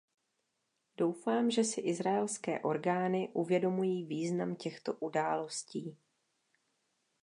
Doufám, že si izraelské orgány uvědomují význam těchto událostí.